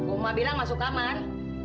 uma bilang masuk kamar